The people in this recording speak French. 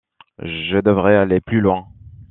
Je devrais aller plus loin.